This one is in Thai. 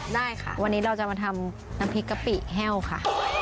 ได้ค่ะวันนี้เราจะมาทำน้ำพริกกะปิแห้วค่ะ